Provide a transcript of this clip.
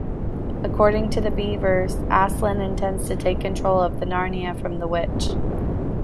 According to the beavers, Aslan intends to take control of Narnia from the Witch.